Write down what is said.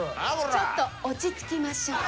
ちょっと落ち着きましょう。